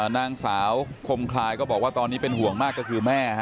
นางสาวคมคลายก็บอกว่าตอนนี้เป็นห่วงมากก็คือแม่